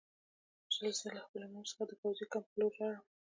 زه له خپلې مور څخه د پوځي کمپ په لور لاړم